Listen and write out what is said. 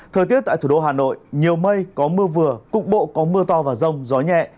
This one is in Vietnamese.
thời tiết tại thủ đô hà nội nhiều mây có mưa vừa cục bộ có mưa to và rông gió nhẹ